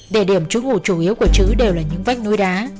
để điểm trú ngủ chủ yếu của chứ đều là những vách núi đá